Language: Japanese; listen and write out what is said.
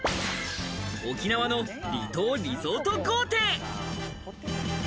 沖縄の離島リゾート豪邸。